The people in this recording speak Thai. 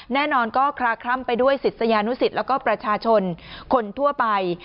แน่นอนก็คลาคล่ำไปด้วยศิษยานุสิตแล้วก็ประชาชนคนทั่วไป